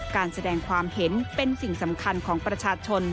การแสดงความเห็นเป็นสิ่งสำคัญของประชาชน